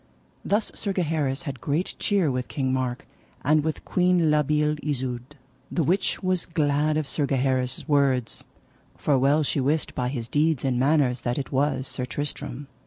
Thus Sir Gaheris had great cheer with King Mark, and with Queen La Beale Isoud, the which was glad of Sir Gaheris' words; for well she wist by his deeds and manners that it was Sir Tristram.